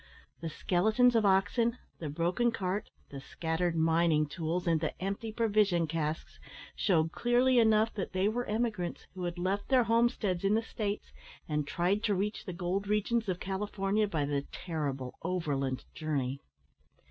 The skeletons of oxen, the broken cart, the scattered mining tools, and the empty provision casks, shewed clearly enough that they were emigrants who had left their homesteads in the States, and tried to reach the gold regions of California by the terrible overland journey.